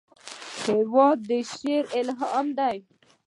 هېواد د شعر الهام دی.